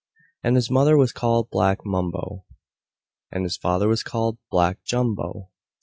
And his mother was called Black Mumbo. And his father was called Black Jumbo.